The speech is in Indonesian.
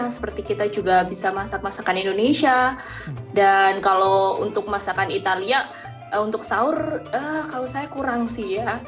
seperti kita juga bisa masak masakan indonesia dan kalau untuk masakan italia untuk sahur kalau saya kurang sih ya